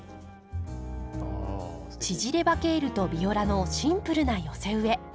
縮れ葉ケールとビオラのシンプルな寄せ植え。